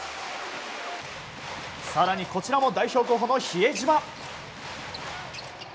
更に、こちらも代表候補の比江島。